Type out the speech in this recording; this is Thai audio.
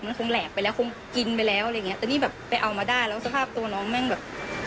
มันคงแหลกไปแล้วคงกินไปแล้วอะไรอย่างเงี้แต่นี่แบบไปเอามาได้แล้วสภาพตัวน้องแม่งแบบ